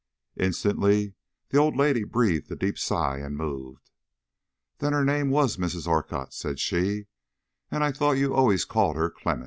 Instantly the old lady breathed a deep sigh and moved. "Then her name was Mrs. Orcutt," said she, "and I thought you always called her Clemmens."